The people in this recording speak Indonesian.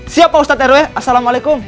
siap pak ustadz rw assalamualaikum